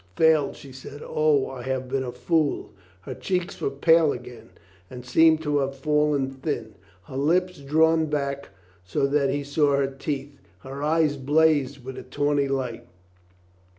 "Failed !" she said. "O, I have been a fool !" Her cheeks were pale again and seemed to have fallen thin ; her lips drawn back so that he saw her teeth ; her eyes blazed with a tawny light.